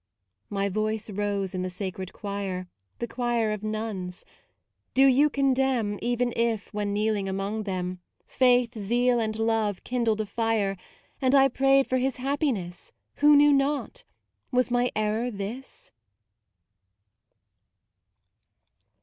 My voice rose in the sacred choir, The choir of Nuns; do you condemn Even if, when kneeling among them, 98 MAUDE Faith, zeal, and love kindled a fire, And I prayed for his happiness Who knew not? was my error this?